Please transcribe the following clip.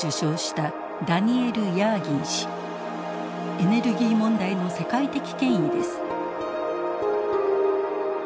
エネルギー問題の世界的権威です。